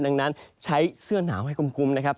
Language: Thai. ดังนั้นใช้เสื้อหนาวให้คุ้มนะครับ